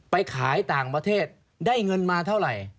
ไปขายต่างประเทศได้เงินมาเท่าไหร่